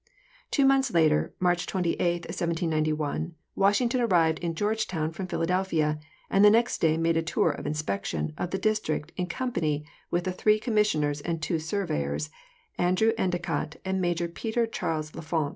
Two months later, March 28, 1791, Washington arrived in Georgetown from Philadelphia, and the next day made a tour of inspection of the District in company with the three com missioners and two surveyors, Andrew Ellicott and Major Peter Charles L'Enfant.